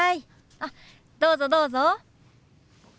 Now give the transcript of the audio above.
あっどうぞどうぞ。